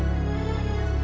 aku tidak hari ini